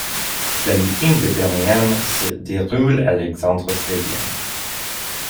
Le Meeting de Birmingham se déroule à l'Alexander Stadium.